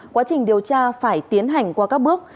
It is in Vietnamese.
quá trình điều tra phải tiến hành qua các bước